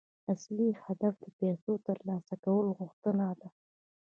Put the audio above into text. اصلي هدف د پيسو ترلاسه کولو غوښتنه ده.